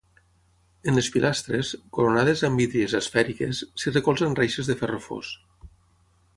En les pilastres, coronades amb hídries esfèriques, s'hi recolzen reixes de ferro fos.